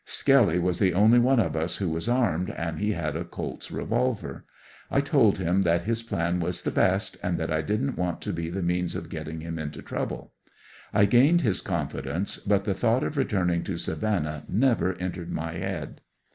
Skelley was the onl}^ one of us who was armed and he had a Colt's revolver. ^^^"^\ told him that his plan was the best and that I didn't want to be the means of getting him into trouble. I gained his confidence, but the thought of returning to Savannah never entered my head.